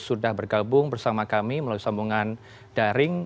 sudah bergabung bersama kami melalui sambungan daring